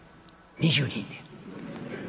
「２０人で」。